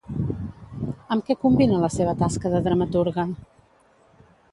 Amb què combina la seva tasca de dramaturga?